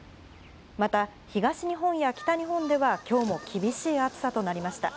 また、東日本や北日本ではきょうも厳しい暑さとなりました。